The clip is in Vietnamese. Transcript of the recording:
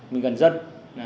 mình cần dân